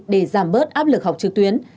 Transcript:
để giảm bớt áp lực học trực tuyến